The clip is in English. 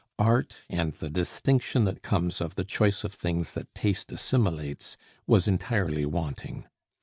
Art, and the distinction that comes of the choice of things that taste assimilates, was entirely wanting.